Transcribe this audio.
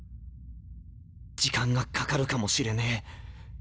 時間がかかるかもしれねえ。